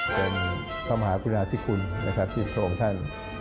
เป็นคำหาวิทยาธิคุณนะครับที่พระองค์ท่าน